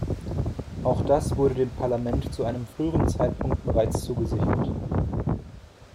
Auch das wurde dem Parlament zu einem früheren Zeitpunkt bereits zugesichert.